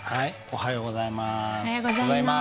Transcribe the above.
おはようございます。